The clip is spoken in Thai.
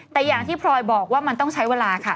แต่อย่างที่พลอยบอกว่ามันต้องใช้เวลาค่ะ